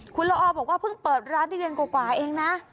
คุณลอบอกว่าเพิ่งเปิดร้านที่เย็นกวกวายเองนะ